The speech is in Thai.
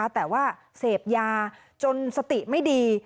แต่ว่าเสพยาจนสติไม่ดี